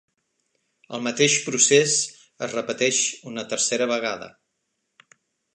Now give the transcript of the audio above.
El mateix procés es repeteix una tercera vegada.